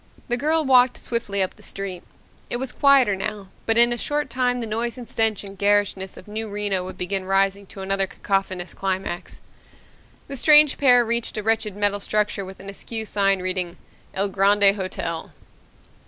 The girl walked swiftly up the street. It was quieter now, but in a short time the noise and stench and garishness of New Reno would begin rising to another cacophonous climax. The strange pair reached a wretched metal structure with an askew sign reading, "El Grande Hotel."